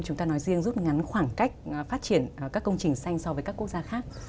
chúng ta nói riêng rút ngắn khoảng cách phát triển các công trình xanh so với các quốc gia khác